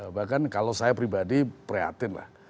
bahkan kalau saya pribadi prihatin lah